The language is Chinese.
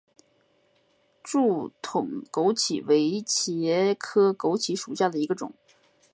柱筒枸杞为茄科枸杞属下的一个种。